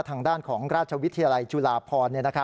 ทางด้านของราชวิทยาลัยจุฬาพร